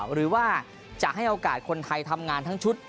หรือว่าจะให้โอกาสคนไทยทำงานทั้งชุด